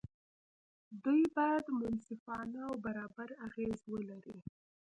دوی باید منصفانه او برابر اغېز ولري.